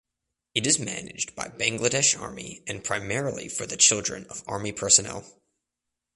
It is managed by Bangladesh Army and primarily for the children of Army personnel.